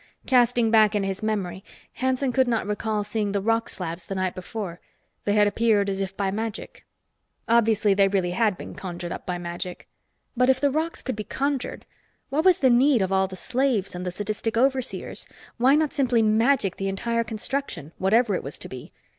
Casting back in his memory, Hanson could not recall seeing the rock slabs the night before. They had appeared as if by magic Obviously, they had really been conjured up by magic. But if the rocks could be conjured, what was the need of all the slaves and the sadistic overseers? Why not simply magic the entire construction, whatever it was to be?